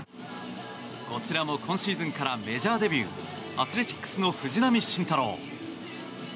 こちらも今シーズンからメジャーデビューアスレチックスの藤浪晋太郎。